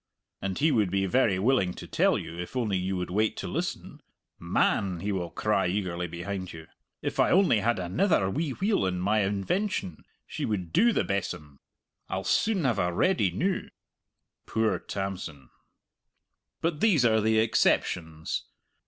And he would be very willing to tell you, if only you would wait to listen. "Man," he will cry eagerly behind you, "if I only had anither wee wheel in my invention she would do, the besom! I'll sune have her ready noo." Poor Tamson! But these are the exceptions.